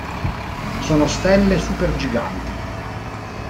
Sono stelle supergiganti.